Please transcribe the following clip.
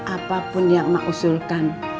apapun yang mak usulkan